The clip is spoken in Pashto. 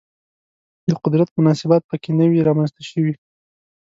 د قدرت مناسبات په کې نه وي رامنځته شوي